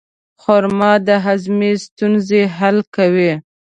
خرما د هاضمې ستونزې حل کوي.